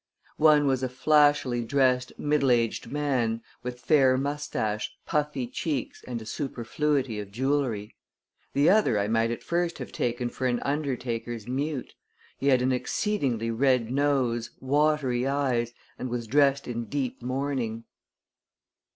One was a flashily dressed, middle aged man, with fair mustache, puffy cheeks, and a superfluity of jewelry. The other I might at first have taken for an undertaker's mute. He had an exceedingly red nose, watery eyes, and was dressed in deep mourning.